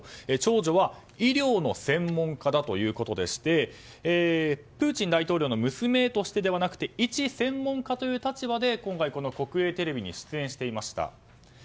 長女は医療の専門家だということでしてプーチン大統領の娘としてではなくて一専門家という立場で今回国営テレビに出演していました。